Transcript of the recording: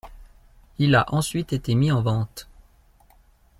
Il a ensuite été mis en vente.